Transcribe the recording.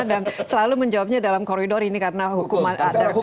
dan selalu menjawabnya dalam koridor ini karena hukuman